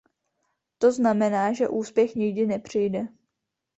To znamená, že úspěch nikdy nepřijde.